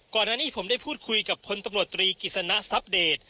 ก่อนหน้านี้ผมได้พูดคุยกับคนตำรวจตรีกิจสนะทรัพเดต